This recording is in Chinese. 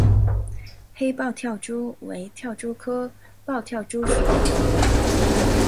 黑豹跳蛛为跳蛛科豹跳蛛属的动物。